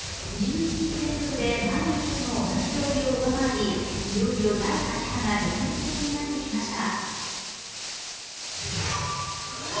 １１日連続で前の週の同じ曜日を上回り、いよいよ第８波が現実的になってきました。